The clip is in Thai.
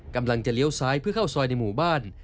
เลี้ยวซ้ายเพื่อเข้าซอยในหมู่บ้าน